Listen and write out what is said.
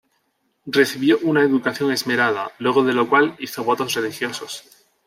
Recibió una educación esmerada, luego de lo cual hizo votos religiosos.